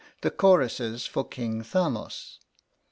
The choruses for "King Thamos."